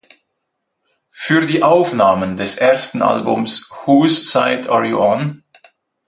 Für die Aufnahmen des ersten Albums "Whose Side Are You On?